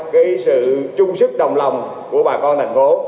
cái sự chung sức đồng lòng của bà con thành phố